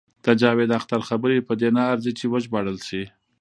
د جاوید اختر خبرې په دې نه ارزي چې وژباړل شي.